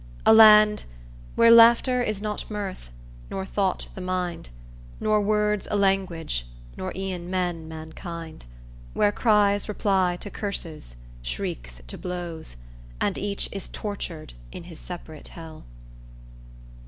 A land Where laughter is not mirth; nor thought the mind; Nor words a language; nor e'en men mankind. Where cries reply to curses, shrieks to blows, And each is tortured in his separate hell.